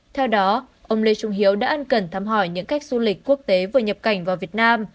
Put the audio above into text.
theo đó ông lê trung hiếu đã ăn cần thăm hỏi những khách du lịch quốc tế vừa nhập cảnh vào việt nam